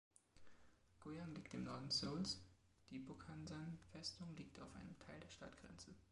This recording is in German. Goyang liegt im Norden Seouls, die Bukhansan-Festung liegt auf einem Teil der Stadtgrenze.